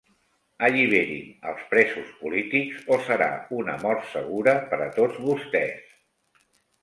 Alliberin els presos polítics o serà una mort segura per a tots vostès.